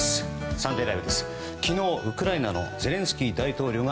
「サンデーＬＩＶＥ！！」